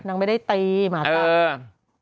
นางไม่ได้ตีหมาตั้ง